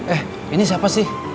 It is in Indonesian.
eh ini siapa sih